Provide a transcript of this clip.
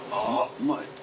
うまい。